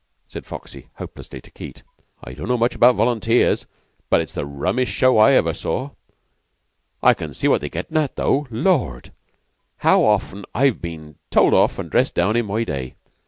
said Foxy, hopelessly, to Keyte. "I don't know much about volunteers, but it's the rummiest show I ever saw. I can see what they're gettin' at, though. Lord! how often I've been told off an' dressed down in my day!